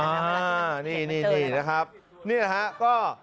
อ่านี่นี่นะครับนี่แหละฮะก็